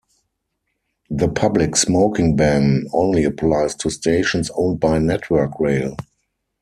The public smoking ban only applies to stations owned by Network Rail.